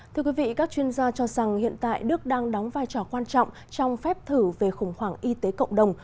thưa quý vị các chuyên gia cho rằng hiện tại đức đang đóng vai trò quan trọng trong phép thử về khủng hoảng y tế cộng đồng